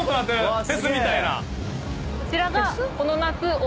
こちらが。